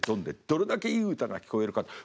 でどれだけいい歌が聞こえるか」